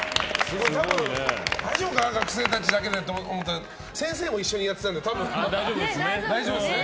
大丈夫かな、学生たちだけでって思ったら先生も一緒にやってたので多分、大丈夫ですね。